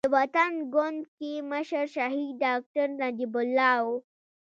د وطن ګوند کې مشر شهيد ډاکټر نجيب الله وو.